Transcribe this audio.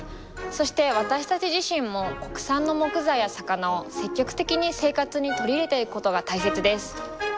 そして私たち自身も国産の木材や魚を積極的に生活に取り入れていくことが大切です。